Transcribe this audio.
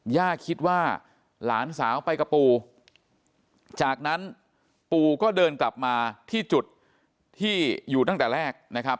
ย่าคิดว่าหลานสาวไปกับปู่จากนั้นปู่ก็เดินกลับมาที่จุดที่อยู่ตั้งแต่แรกนะครับ